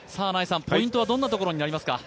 ポイントはどんなところになりますか？